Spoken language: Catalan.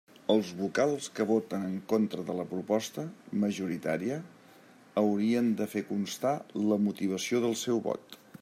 Els vocals que voten en contra de la proposta majoritària haurien de fer constar la motivació del seu vot.